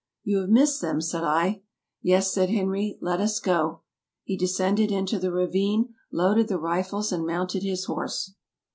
" You have missed them," said I. " Yes," said Henry; " let us go." He descended into the ravine, loaded the rifles and mounted his horse.